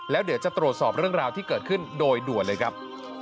แล้วเดี๋ยวจะตรวจสอบเรื่องราวที่เกิดขึ้นโดยด่วนเลยครับ